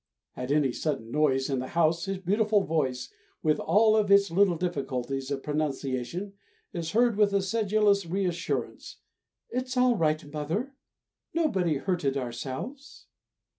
At any sudden noise in the house his beautiful voice, with all its little difficulties of pronunciation, is heard with the sedulous reassurance: "It's all right, mother, nobody hurted ourselves!"